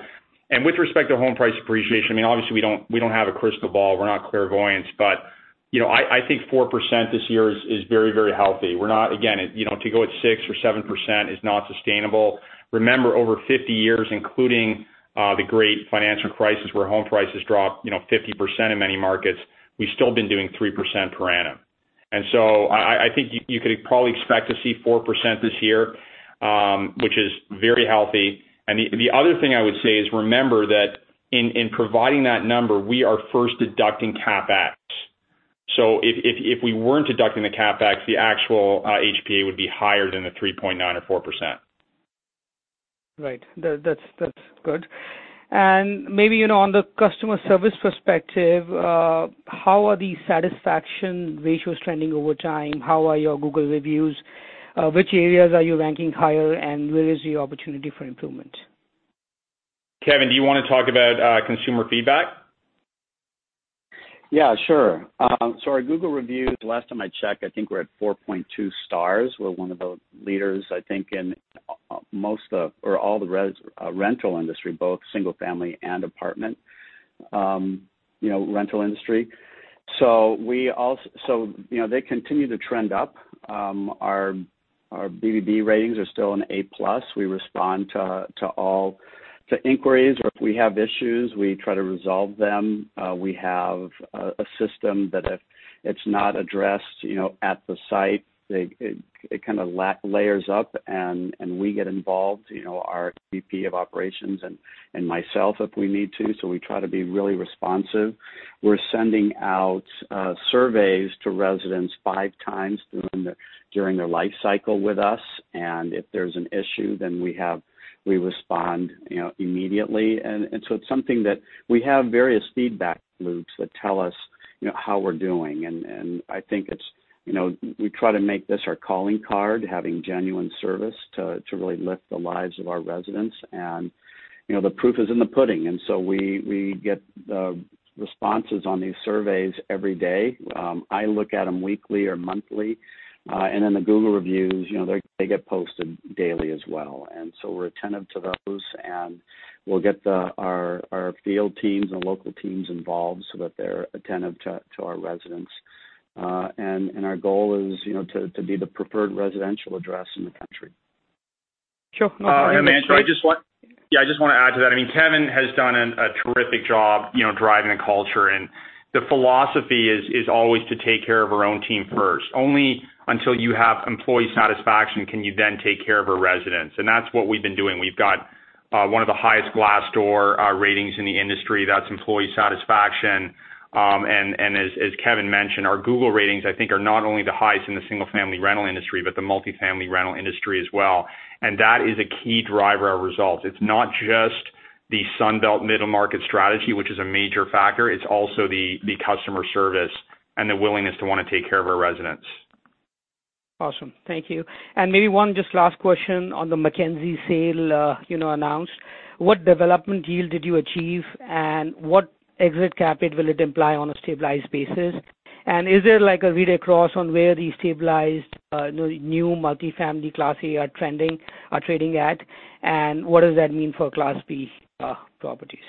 With respect to home price appreciation, obviously we don't have a crystal ball. We're not clairvoyant, but I think 4% this year is very healthy. Again, to go at 6% or 7% is not sustainable. Remember, over 50 years, including the great financial crisis, where home prices dropped 50% in many markets, we've still been doing 3% per annum. I think you could probably expect to see 4% this year, which is very healthy. The other thing I would say is, remember that in providing that number, we are first deducting CapEx. If we weren't deducting the CapEx, the actual HPA would be higher than the 3.9% or 4%. Right. That's good. Maybe on the customer service perspective, how are the satisfaction ratios trending over time? How are your Google reviews? Which areas are you ranking higher, where is the opportunity for improvement? Kevin, do you want to talk about consumer feedback? Yeah, sure. Our Google reviews, last time I checked, I think we're at 4.2 stars. We're one of the leaders, I think, in all the rental industry, both single-family and apartment rental industry. They continue to trend up. Our BBB ratings are still an A-plus. We respond to inquiries, or if we have issues, we try to resolve them. We have a system that if it's not addressed at the site, it kind of layers up, and we get involved, our VP of operations and myself if we need to. We try to be really responsive. We're sending out surveys to residents five times during their life cycle with us, and if there's an issue, then we respond immediately. It's something that we have various feedback loops that tell us how we're doing. I think we try to make this our calling card, having genuine service to really lift the lives of our residents. The proof is in the pudding. We get the responses on these surveys every day. I look at them weekly or monthly. The Google reviews, they get posted daily as well. We're attentive to those, and we'll get our field teams and local teams involved so that they're attentive to our residents. Our goal is to be the preferred residential address in the country. Sure. Himanshu, I just want to add to that. Kevin has done a terrific job driving the culture, and the philosophy is always to take care of our own team first. Only until you have employee satisfaction can you then take care of our residents. That's what we've been doing. We've got one of the highest Glassdoor ratings in the industry. That's employee satisfaction. As Kevin mentioned, our Google ratings, I think, are not only the highest in the single-family rental industry, but the multifamily rental industry as well. That is a key driver of results. It's not just the Sun Belt middle-market strategy, which is a major factor. It's also the customer service and the willingness to want to take care of our residents. Awesome. Thank you. Maybe one just last question on The McKenzie sale announced. What development yield did you achieve, and what exit cap rate will it imply on a stabilized basis? Is there like a read across on where these stabilized new multifamily Class A are trading at? What does that mean for Class B properties?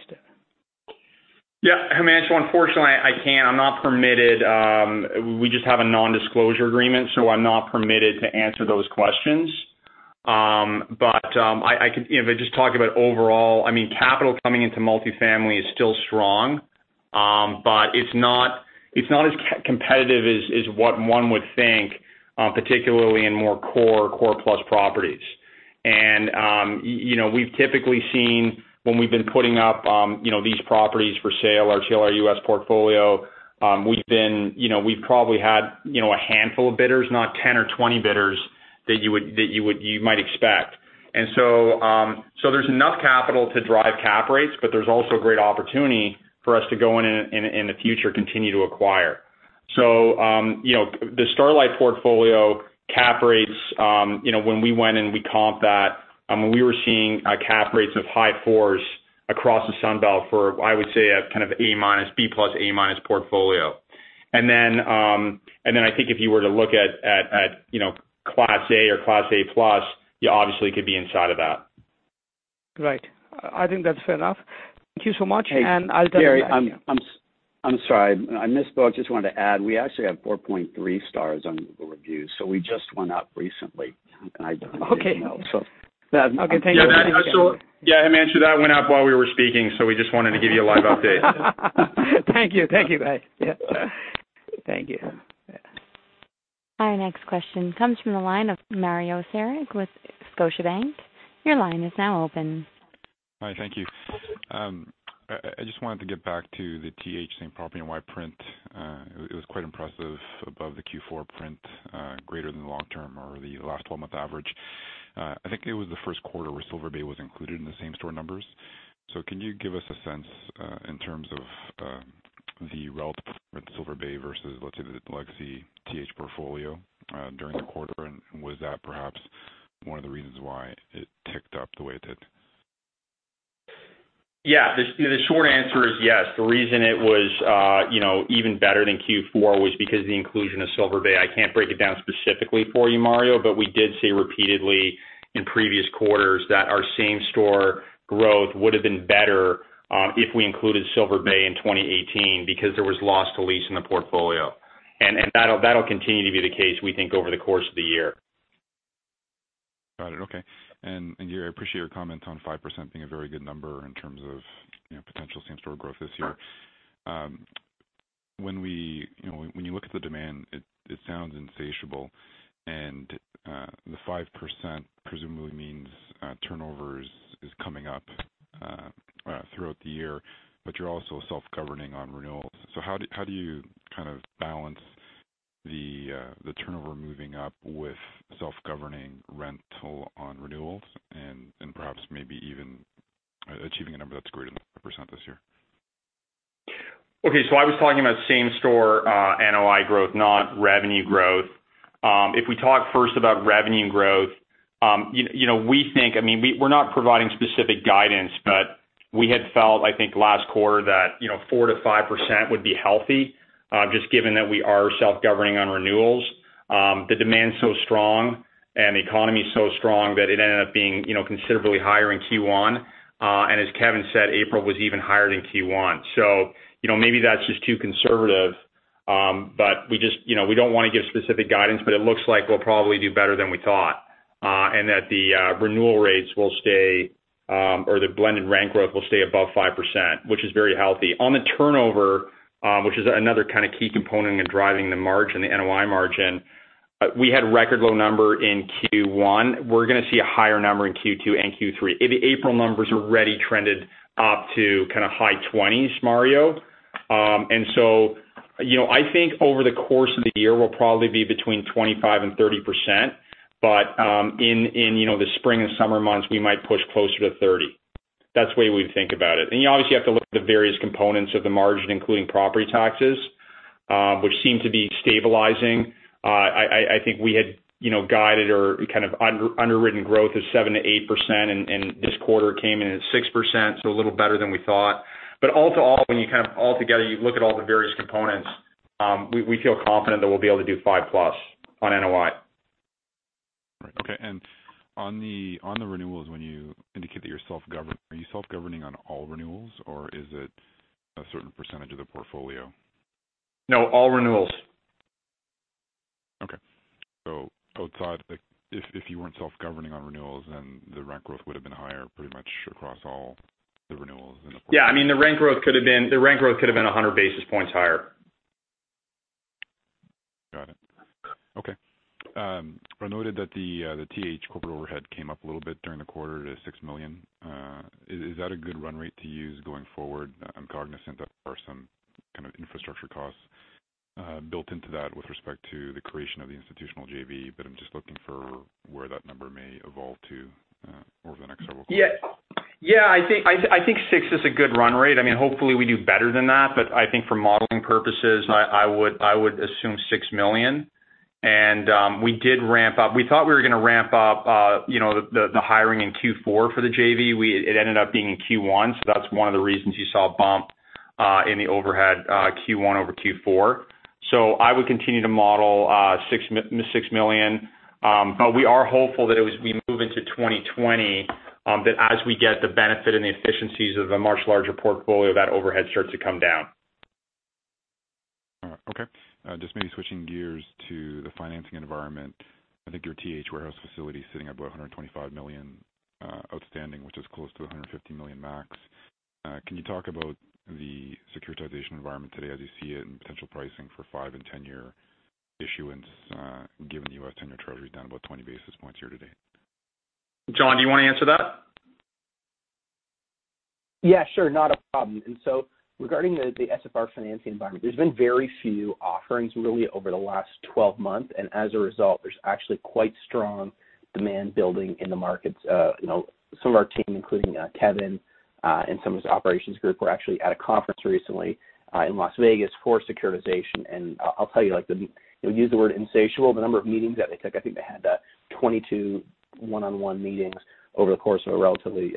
Yeah. Himanshu, unfortunately, I can't. I'm not permitted. We just have a non-disclosure agreement, so I'm not permitted to answer those questions. If I just talk about overall, capital coming into multifamily is still strong. It's not as competitive as what one would think, particularly in more core plus properties. We've typically seen when we've been putting up these properties for sale, our TLR US portfolio. We've probably had a handful of bidders, not 10 or 20 bidders that you might expect. There's enough capital to drive cap rates, but there's also great opportunity for us to go in the future, continue to acquire. The Starlight portfolio cap rates, when we went in, we comped that, when we were seeing cap rates of high fours across the Sun Belt for, I would say, a kind of B-plus, A-minus portfolio. I think if you were to look at class A or class A-plus, you obviously could be inside of that. Right. I think that's fair enough. Thank you so much, and I'll turn it back- Gary, I'm sorry. I missed, but I just wanted to add, we actually have 4.3 stars on Google reviews, so we just went up recently. Okay. I don't know. Okay, thank you. Yeah. Himanshu, that went up while we were speaking, so we just wanted to give you a live update. Thank you. Thank you, guys. Yeah. Thank you. Yeah. Our next question comes from the line of Mario Saric with Scotiabank. Your line is now open. Hi. Thank you. I just wanted to get back to the TAH same-property SPNOI print. It was quite impressive above the Q4 print, greater than the long-term or the last 12-month average. I think it was the first quarter where Silver Bay was included in the same-store numbers. Can you give us a sense, in terms of the relative performance of Silver Bay versus, let's say, the legacy TAH portfolio during the quarter? Was that perhaps one of the reasons why it ticked up the way it did? Yeah. The short answer is yes. The reason it was even better than Q4 was because of the inclusion of Silver Bay. I can't break it down specifically for you, Mario, but we did say repeatedly in previous quarters that our same-store growth would've been better if we included Silver Bay in 2018 because there was loss to lease in the portfolio. That'll continue to be the case, we think, over the course of the year. Got it. Okay. Gary, I appreciate your comments on 5% being a very good number in terms of potential same-store growth this year. When you look at the demand, it sounds insatiable, the 5% presumably means turnover is coming up throughout the year, you're also self-governing on renewals. How do you kind of balance the turnover moving up with self-governing rental on renewals and perhaps maybe even achieving a number that's greater than 5% this year? I was talking about same store NOI growth, not revenue growth. If we talk first about revenue and growth, we're not providing specific guidance, but we had felt, I think last quarter that 4%-5% would be healthy, just given that we are self-governing on renewals. The demand's so strong and the economy's so strong that it ended up being considerably higher in Q1. As Kevin said, April was even higher than Q1. Maybe that's just too conservative. We don't want to give specific guidance, but it looks like we'll probably do better than we thought. That the renewal rates will stay, or the blended rent growth will stay above 5%, which is very healthy. On the turnover, which is another kind of key component in driving the margin, the NOI margin, we had a record low number in Q1. We're going to see a higher number in Q2 and Q3. The April numbers already trended up to kind of high 20s, Mario. I think over the course of the year, we'll probably be between 25%-30%. In the spring and summer months, we might push closer to 30%. That's the way we think about it. You obviously have to look at the various components of the margin, including property taxes, which seem to be stabilizing. I think we had guided or kind of underwritten growth of 7%-8% in this quarter. It came in at 6%, so a little better than we thought. All to all, when you kind of all together, you look at all the various components, we feel confident that we'll be able to do 5-plus on NOI. Right. Okay. On the renewals, when you indicate that you're self-governing, are you self-governing on all renewals, or is it a certain percentage of the portfolio? No, all renewals. Okay. Outside, if you weren't self-governing on renewals, then the rent growth would've been higher pretty much across all the renewals in the portfolio. Yeah, the rent growth could have been 100 basis points higher. Got it. Okay. I noted that the TAH corporate overhead came up a little bit during the quarter to $6 million. Is that a good run rate to use going forward? I'm cognizant that there are some kind of infrastructure costs built into that with respect to the creation of the institutional JV, but I'm just looking for where that number may evolve to over the next several quarters. Yeah. I think six is a good run rate. Hopefully, we do better than that, but I think for modeling purposes, I would assume $6 million. We did ramp up. We thought we were gonna ramp up the hiring in Q4 for the JV. It ended up being in Q1, that's one of the reasons you saw a bump in the overhead Q1 over Q4. I would continue to model $6 million. We are hopeful that as we move into 2020, that as we get the benefit and the efficiencies of a much larger portfolio, that overhead starts to come down. All right. Okay. Just maybe switching gears to the financing environment. I think your TAH warehouse facility is sitting at about $125 million outstanding, which is close to $150 million max. Can you talk about the securitization environment today as you see it, and potential pricing for five and 10-year issuance given U.S. 10-year Treasury down about 20 basis points year to date? John, do you want to answer that? Yeah, sure. Not a problem. Regarding the SFR financing environment, there's been very few offerings really over the last 12 months. As a result, there's actually quite strong demand building in the markets. Some of our team, including Kevin, and some of his operations group, were actually at a conference recently in Las Vegas for securitization. I'll tell you, use the word insatiable, the number of meetings that they took, I think they had 22 one-on-one meetings over the course of a relatively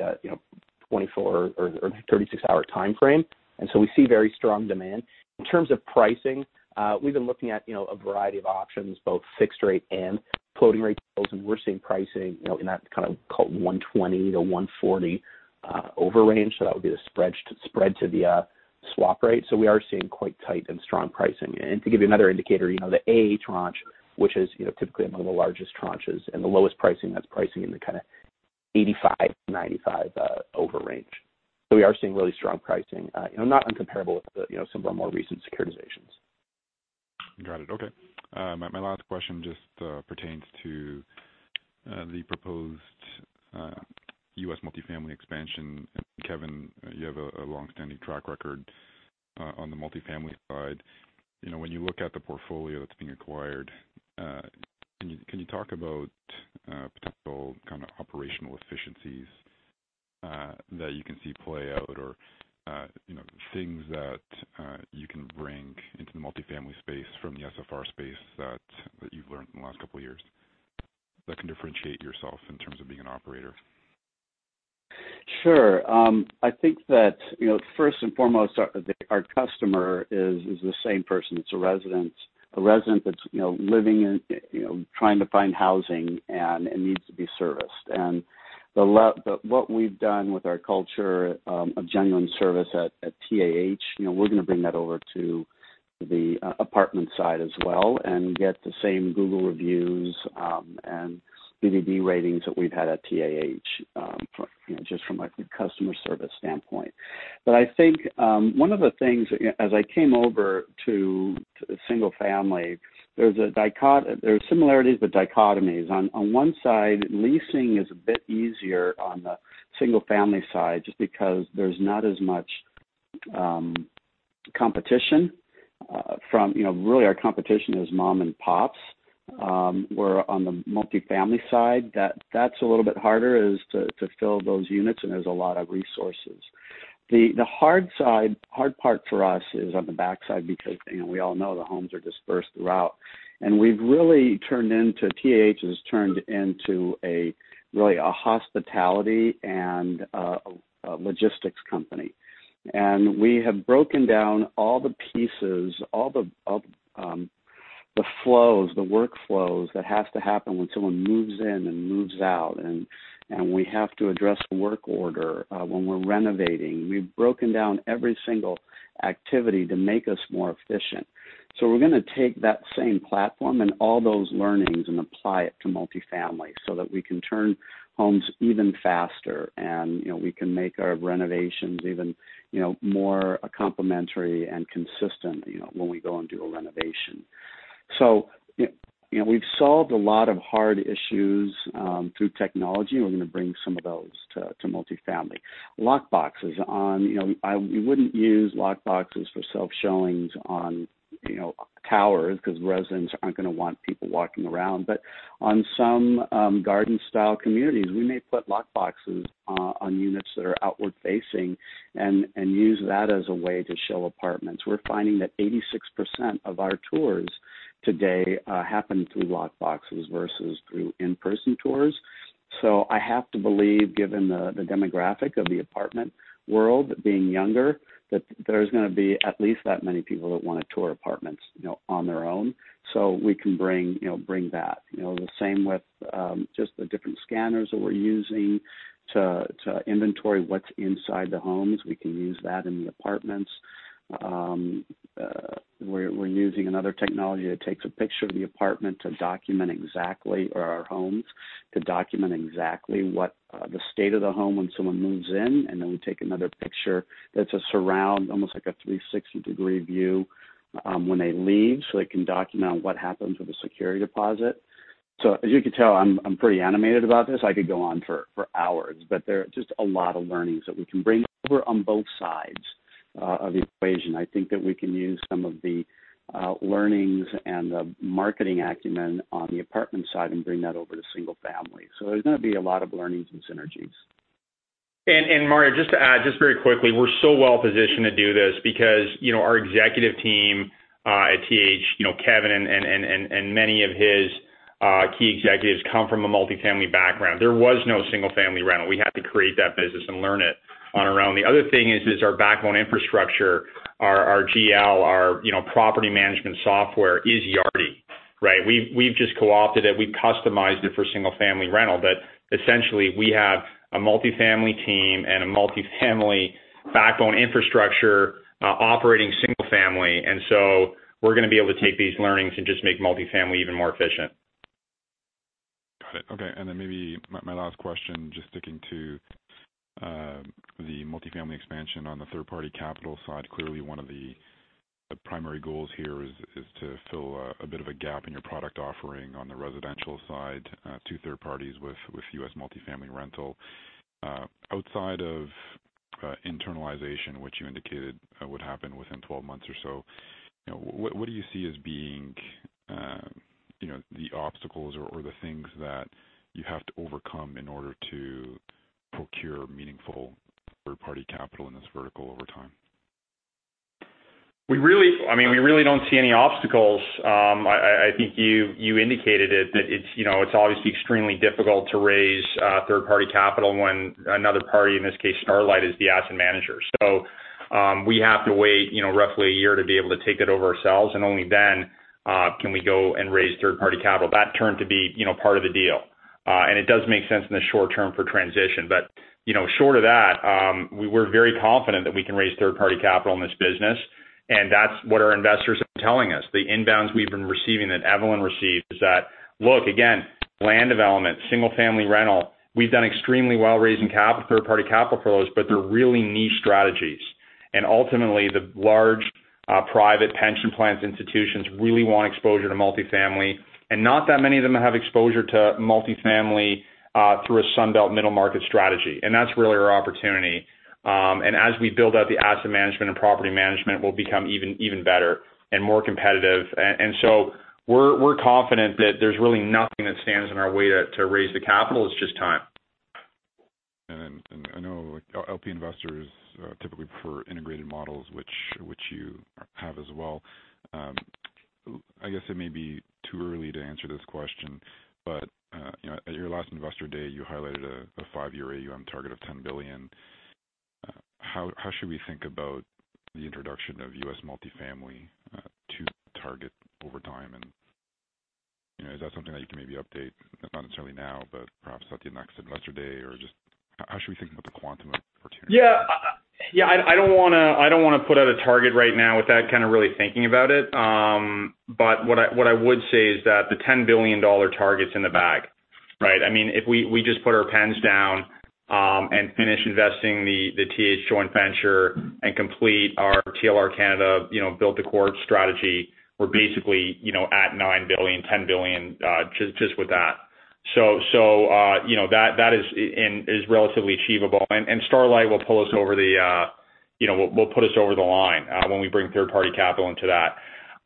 36-hour timeframe. We see very strong demand. In terms of pricing, we've been looking at a variety of options, both fixed rate and floating rate deals, and we're seeing pricing in that kind of 120 to 140 over range. That would be the spread to the swap rate. We are seeing quite tight and strong pricing. To give you another indicator, the A tranche, which is typically among the largest tranches and the lowest pricing, that's pricing in the kind of 85, 95 over range. We are seeing really strong pricing. Not incomparable with some of our more recent securitizations. Got it. Okay. My last question just pertains to the proposed U.S. multi-family expansion. Kevin, you have a longstanding track record on the multi-family side. When you look at the portfolio that's being acquired, can you talk about potential kind of operational efficiencies that you can see play out or things that you can bring into the multi-family space from the SFR space that you've learned from the last couple of years that can differentiate yourself in terms of being an operator? Sure. I think that first and foremost, our customer is the same person. It's a resident that's living and trying to find housing and needs to be serviced. What we've done with our culture of genuine service at TAH, we're going to bring that over to the apartment side as well and get the same Google reviews and BBB ratings that we've had at TAH, just from a customer service standpoint. I think, one of the things as I came over to single-family, there are similarities but dichotomies. On one side, leasing is a bit easier on the single-family side, just because there's not as much competition. Really our competition is mom and pops. Where on the multi-family side, that's a little bit harder, is to fill those units, and there's a lot of resources. The hard part for us is on the backside because we all know the homes are dispersed throughout. TAH has turned into really a hospitality and logistics company. We have broken down all the pieces, all the workflows that have to happen when someone moves in and moves out. We have to address a work order when we're renovating. We've broken down every single activity to make us more efficient. We're going to take that same platform and all those learnings and apply it to multi-family so that we can turn homes even faster and we can make our renovations even more complementary and consistent when we go and do a renovation. We've solved a lot of hard issues through technology. We're going to bring some of those to multi-family. Lock boxes. We wouldn't use lock boxes for self-showings on towers because residents aren't going to want people walking around. On some garden-style communities, we may put lock boxes on units that are outward facing and use that as a way to show apartments. We're finding that 86% of our tours today happen through lock boxes versus through in-person tours. I have to believe, given the demographic of the apartment world being younger, that there's going to be at least that many people that want to tour apartments on their own. We can bring that. The same with just the different scanners that we're using to inventory what's inside the homes. We can use that in the apartments. We're using another technology that takes a picture of the apartment to document exactly, or our homes, to document exactly what the state of the home when someone moves in. Then we take another picture that's a surround, almost like a 360-degree view, when they leave so they can document what happens with the security deposit. As you can tell, I'm pretty animated about this. I could go on for hours. There are just a lot of learnings that we can bring over on both sides of the equation. I think that we can use some of the learnings and the marketing acumen on the apartment side and bring that over to single family. There's going to be a lot of learnings and synergies. Mario, just to add very quickly, we're so well-positioned to do this because our executive team at TAH, Kevin and many of his key executives come from a multifamily background. There was no single-family rental. We had to create that business and learn it on our own. The other thing is our backbone infrastructure, our GL, our property management software is Yardi, right? We've just co-opted it. We've customized it for single-family rental. Essentially we have a multifamily team and a multifamily backbone infrastructure operating single family. So we're going to be able to take these learnings and just make multifamily even more efficient. Got it. Okay. Then maybe my last question, just sticking to the multifamily expansion on the third-party capital side. Clearly one of the primary goals here is to fill a bit of a gap in your product offering on the residential side to third parties with U.S. multifamily rental. Outside of internalization, which you indicated would happen within 12 months or so, what do you see as being the obstacles or the things that you have to overcome in order to procure meaningful third-party capital in this vertical over time? We really don't see any obstacles. I think you indicated it, that it's obviously extremely difficult to raise third-party capital when another party, in this case Starlight, is the asset manager. We have to wait roughly a year to be able to take it over ourselves, and only then can we go and raise third-party capital. That turned to be part of the deal. It does make sense in the short term for transition. Short of that, we were very confident that we can raise third-party capital in this business, and that's what our investors are telling us. The inbounds we've been receiving, that Evelyn received, is that, look, again, land development, single-family rental, we've done extremely well raising third-party capital for those, but they're really niche strategies. Ultimately, the large private pension plans institutions really want exposure to multi-family, not that many of them have exposure to multi-family through a Sunbelt middle market strategy. That's really our opportunity. As we build out the asset management and property management, we'll become even better and more competitive. So we're confident that there's really nothing that stands in our way to raise the capital. It's just time. I know LP investors typically prefer integrated models, which you have as well. I guess it may be too early to answer this question, but at your last Investor Day, you highlighted a five-year AUM target of $10 billion. How should we think about the introduction of U.S. multi-family to target over time? Is that something that you can maybe update, if not necessarily now, but perhaps at the next Investor Day? Just how should we think about the quantum of opportunity? Yeah. I don't want to put out a target right now without kind of really thinking about it. What I would say is that the $10 billion target's in the bag. Right? If we just put our pens down and finish investing the TAH joint venture and complete our TLR Canada build-to-core strategy, we're basically at $9 billion, $10 billion, just with that. That is relatively achievable. Starlight will put us over the line when we bring third-party capital into that.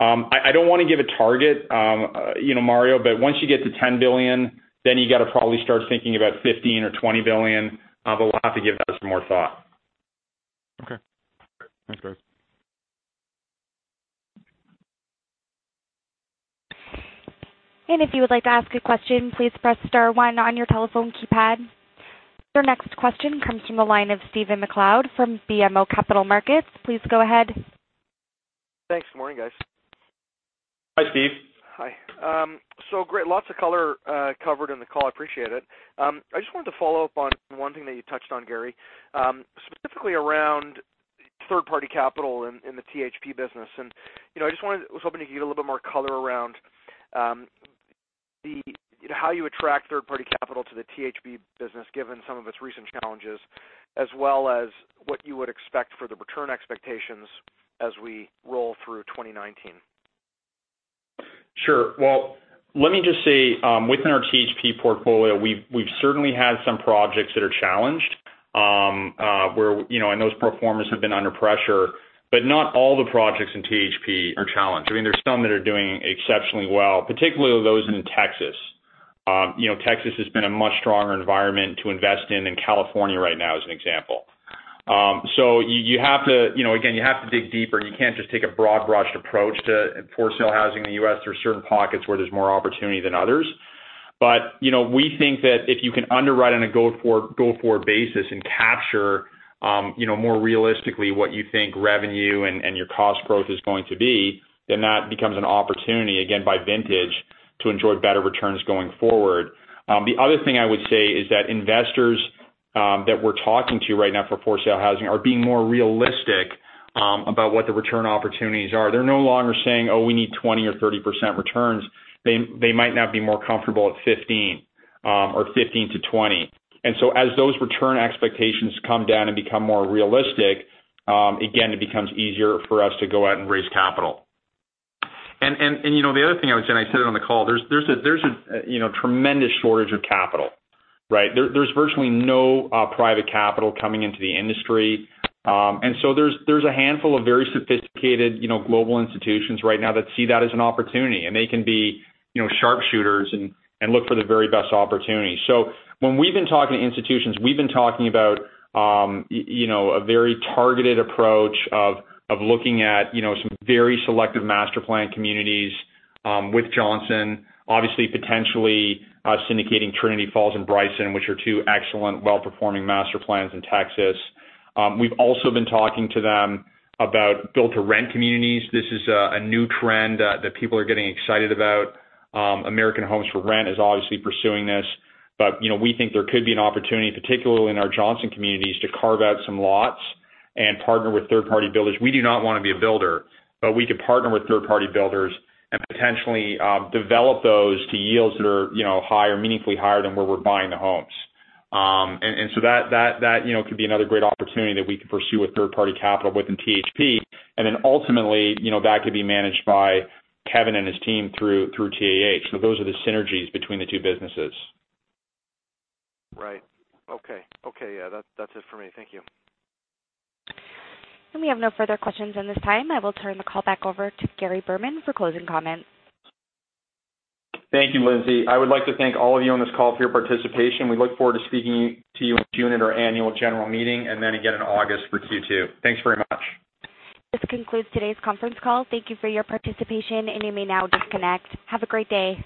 I don't want to give a target, Mario, once you get to $10 billion, you got to probably start thinking about $15 billion or $20 billion. We'll have to give that some more thought. Okay. Thanks, guys. If you would like to ask a question, please press star one on your telephone keypad. Your next question comes from the line of Stephen MacLeod from BMO Capital Markets. Please go ahead. Thanks. Morning, guys. Hi, Steve. Hi. Great. Lots of color covered in the call. I appreciate it. I just wanted to follow up on one thing that you touched on, Gary, specifically around third-party capital in the THP business. I was hoping to get a little bit more color around how you attract third-party capital to the THP business, given some of its recent challenges, as well as what you would expect for the return expectations as we roll through 2019. Sure. Well, let me just say, within our THP portfolio, we've certainly had some projects that are challenged, and those performers have been under pressure. Not all the projects in THP are challenged. There's some that are doing exceptionally well, particularly those in Texas. Texas has been a much stronger environment to invest in than California right now, as an example. Again, you have to dig deeper. You can't just take a broad brush approach to for-sale housing in the U.S. There are certain pockets where there's more opportunity than others. We think that if you can underwrite on a go-forward basis and capture more realistically what you think revenue and your cost growth is going to be, then that becomes an opportunity, again, by vintage, to enjoy better returns going forward. The other thing I would say is that investors that we're talking to right now for for-sale housing are being more realistic about what the return opportunities are. They're no longer saying, "Oh, we need 20 or 30% returns." They might now be more comfortable at 15% or 15%-20%. As those return expectations come down and become more realistic, again, it becomes easier for us to go out and raise capital. The other thing, and I said it on the call, there's a tremendous shortage of capital, right? There's virtually no private capital coming into the industry. There's a handful of very sophisticated global institutions right now that see that as an opportunity, and they can be sharpshooters and look for the very best opportunity. When we've been talking to institutions, we've been talking about a very targeted approach of looking at some very selective master-planned communities with Johnson, obviously, potentially syndicating Trinity Falls and Bryson, which are two excellent, well-performing master plans in Texas. We've also been talking to them about build-to-rent communities. This is a new trend that people are getting excited about. American Homes 4 Rent is obviously pursuing this. We think there could be an opportunity, particularly in our Johnson communities, to carve out some lots and partner with third-party builders. We do not want to be a builder, but we could partner with third-party builders and potentially develop those to yields that are meaningfully higher than where we're buying the homes. That could be another great opportunity that we could pursue with third-party capital within THP. Ultimately, that could be managed by Kevin and his team through TAH. Those are the synergies between the two businesses. Right. Okay. Yeah. That's it for me. Thank you. We have no further questions at this time. I will turn the call back over to Gary Berman for closing comments. Thank you, Lindsay. I would like to thank all of you on this call for your participation. We look forward to speaking to you in June at our annual general meeting, and then again in August for Q2. Thanks very much. This concludes today's conference call. Thank you for your participation, and you may now disconnect. Have a great day.